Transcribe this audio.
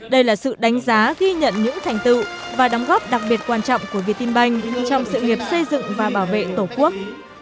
đây là sự đánh giá ghi nhận những thành tựu và đóng góp đặc biệt quan trọng của việt tim banh trong sự nghiệp xây dựng và bảo vệ tổ quốc